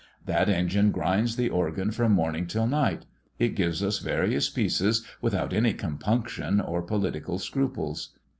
That engine grinds the organ from morning till night; it gives us various pieces without any compunction or political scruples.